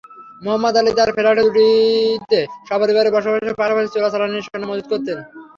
মোহাম্মদ আলী তাঁর ফ্ল্যাট দুটিতে সপরিবারে বসবাসের পাশাপাশি চোরাচালানের সোনা মজুত করতেন।